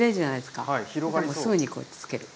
すぐにこうやってつける。